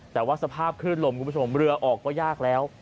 แต่ว่าสภาพคลื่นลมคุณผู้ชมเรือออกก็ยากแล้ว